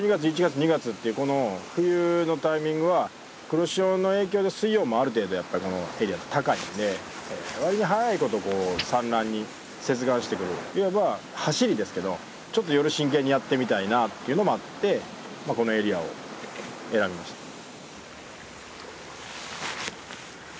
１２月１月２月っていうこの冬のタイミングは黒潮の影響で水温もある程度やっぱりこのエリア高いんでわりに早いことこう産卵に接岸してくるいわばはしりですけどちょっと夜真剣にやってみたいなっていうのもあってこのエリアを選びました